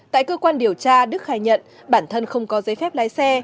tại cơ quan điều tra đức khai nhận bản thân không có giấy phép lái xe